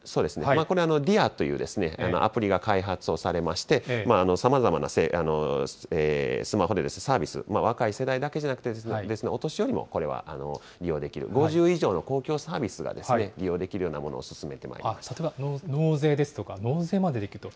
これ、ディアというアプリが開発をされまして、さまざまなスマホでサービス、若い世代だけじゃなくて、お年寄りもこれは利用できる、５０以上の公共サービスが利用できるようなものを進めて例えば納税ですとか、納税までできると。